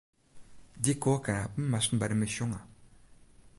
Dy koarknapen moasten by de mis sjonge.